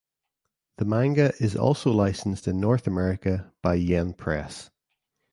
The manga is also licensed in North America by Yen Press.